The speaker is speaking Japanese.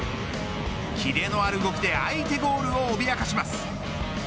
切れのある動きで相手ゴールをおびやかします。